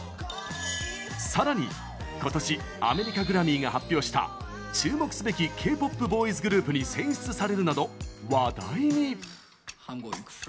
さらに、今年アメリカグラミーが発表した注目すべきＫ‐ＰＯＰボーイズグループに選出されるなど話題に。